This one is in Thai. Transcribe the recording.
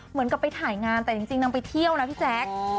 เหมือนกับไปถ่ายงานแต่จริงนางไปเที่ยวนะพี่แจ๊ค